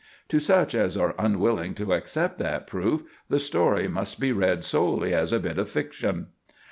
To such as are unwilling to accept that proof, the story must be read solely as a bit of fiction.